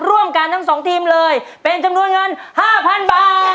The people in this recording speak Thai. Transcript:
ร่วมกันทั้ง๒ทีมเลยเป็นจำนวนเงิน๕๐๐๐บาท